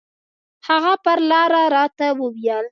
هغه پر لاره راته وويل.